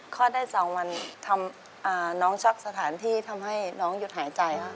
ได้๒วันน้องชักสถานที่ทำให้น้องหยุดหายใจค่ะ